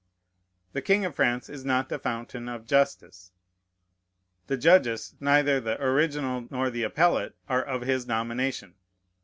The king of France is not the fountain of justice. The judges, neither the original nor the appellate, are of his nomination.